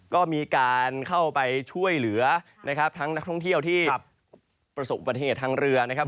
ก็มีการเข้าไปช่วยเหลือนะครับทั้งนักท่องเที่ยวที่ประสบอุบัติเหตุทางเรือนะครับ